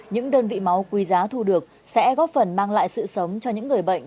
những đơn vị máu quý giá thu được sẽ góp phần mang lại sự sống cho những người bệnh